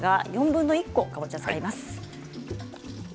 ４分の１個かぼちゃを使います。